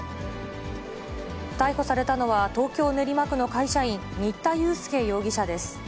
逮捕されたのは、東京・練馬区の会社員、新田祐介容疑者です。